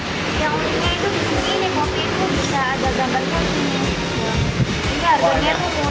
yang uniknya itu di sini di kopi itu bisa ada gambar kopi